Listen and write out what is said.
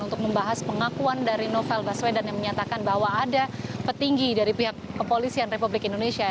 untuk membahas pengakuan dari novel baswedan yang menyatakan bahwa ada petinggi dari pihak kepolisian republik indonesia